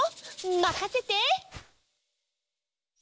まかせて！